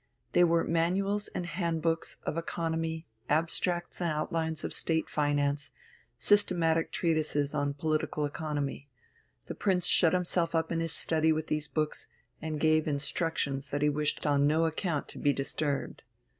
They were manuals and hand hooks of economy, abstracts and outlines of State finance, systematic treatises on political economy. The Prince shut himself up in his study with these books, and gave instructions that he wished on no account to be disturbed.